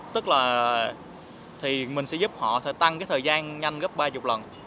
tức là mình sẽ giúp họ tăng thời gian nhanh gấp ba mươi lần